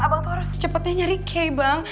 abang tuh harus secepetnya nyari ki bang